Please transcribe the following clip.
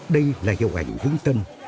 đây là hiệu ảnh vững tâm